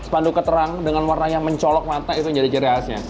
panduk keterang dengan warnanya mencolok mata itu yang jadi ciri khasnya